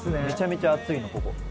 めちゃめちゃ熱いのここ。